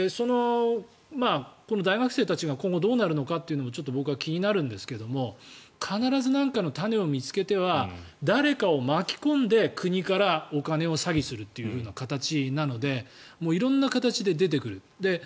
この大学生たちが今後どうなるかはちょっと僕は気になるんですが必ず何かの種を見つけては誰かを巻き込んで国からお金を詐欺するという形なので色んな形で出てくる。